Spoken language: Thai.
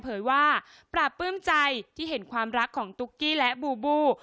เผยว่าปราบปลื้มใจที่เห็นความรักของตุ๊กกี้และบูบู